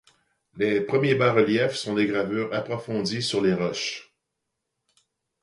Les premiers bas-reliefs sont des gravures approfondies sur les roches.